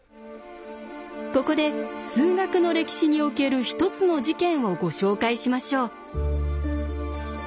ここで数学の歴史における一つの事件をご紹介しましょう。